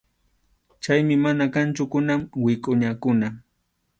Chaymi mana kanchu kunan wikʼuñakuna.